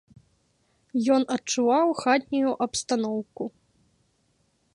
Ён адчуваў хатнюю абстаноўку.